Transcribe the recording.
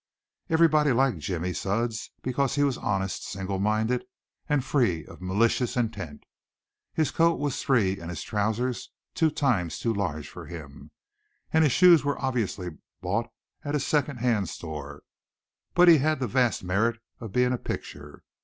Every body liked Jimmy Sudds because he was honest, single minded and free of malicious intent. His coat was three and his trousers two times too large for him, and his shoes were obviously bought at a second hand store, but he had the vast merit of being a picture.